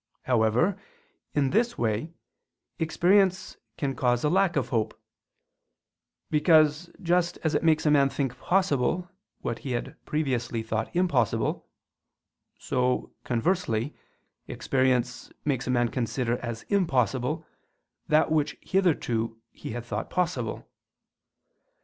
However, in this way, experience can cause a lack of hope: because just as it makes a man think possible what he had previously thought impossible; so, conversely, experience makes a man consider as impossible that which hitherto he had thought possible.